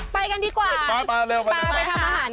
ปะไปทำอาหารกัน